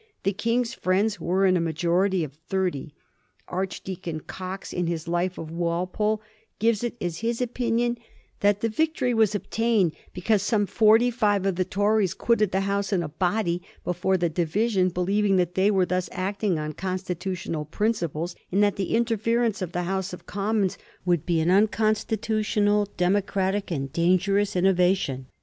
The King's friends were in a majority of thirty. Archdeacon Coze in his "Life of Walpole" gives it as his opinion that the victory was obtained because some forty five of the Torieii quitted the House in a body before the division, believing that they were thus acting on constitutional principles, and that the interference of the House of Commons would be an unconstitutional, democratic, and dangerous innova tion.